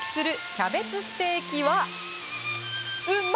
キャベツステーキはうっま！